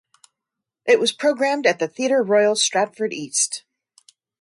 It was programmed at the Theatre Royal Stratford East.